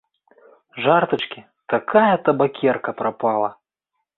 Жартачкі, такая табакерка прапала!